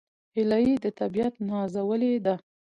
هیلۍ د طبیعت نازولې ده